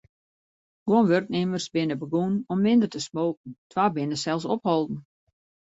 Guon wurknimmers binne begûn om minder te smoken, twa binne sels opholden.